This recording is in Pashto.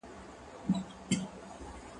زه اوږده وخت مېوې وچوم وم؟